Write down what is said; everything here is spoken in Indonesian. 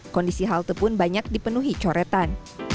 kondisi halte pun banyak dipenuhi coretan